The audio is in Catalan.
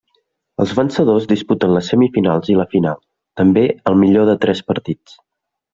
Els vencedors disputen les semifinals i la final, també al millor de tres partits.